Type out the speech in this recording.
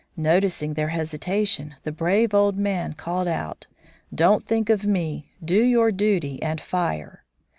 Noticing their hesitation, the brave old man called out: "Don't think of me. Do your duty and fire."